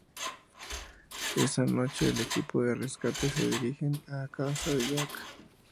Esa noche el equipo de rescate se dirigen a casa de Jack.